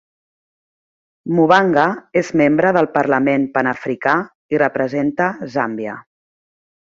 Mubanga és membre del Parlament Panafricà i representa Zàmbia.